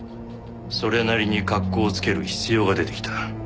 それなりに格好をつける必要が出てきた。